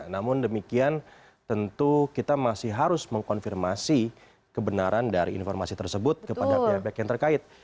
namun demikian tentu kita masih harus mengkonfirmasi kebenaran dari informasi tersebut kepada pihak pihak yang terkait